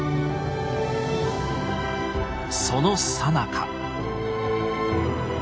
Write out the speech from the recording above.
そのさなか。